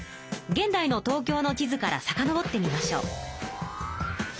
現代の東京の地図からさかのぼってみましょう。